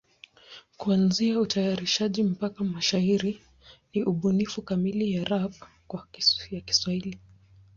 Kuanzia utayarishaji mpaka mashairi ni ubunifu kamili ya rap ya Kiswahili.